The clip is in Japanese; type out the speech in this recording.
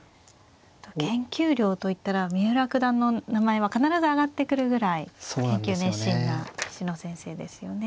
研究量といったら三浦九段の名前は必ず挙がってくるぐらい研究熱心な棋士の先生ですよね。